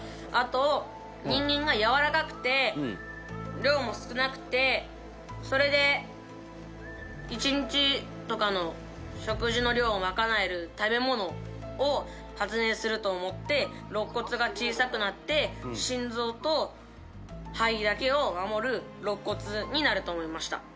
あと人間がやわらかくて量も少なくてそれで１日とかの食事の量を賄える食べ物を発明すると思って肋骨が小さくなって心臓と肺だけを守る肋骨になると思いました。